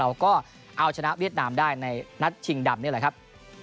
เราก็เอาชนะเวียดนามได้ในนัดชิงดำนี่แหละครับ